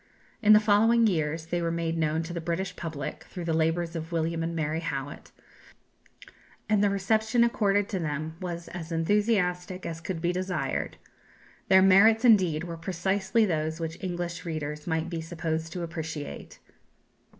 In the following year they were made known to the British public, through the labours of William and Mary Howitt; and the reception accorded to them was as enthusiastic as could be desired. Their merits, indeed, were precisely those which English readers might be supposed to appreciate.